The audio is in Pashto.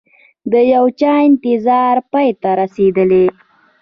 د یوچا انتظار پای ته رسیدلي